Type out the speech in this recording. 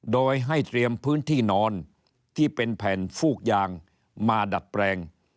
โดยให้เตรียมพื้นที่นอนที่เป็นแผ่นฟูกยางมาดัดแปลง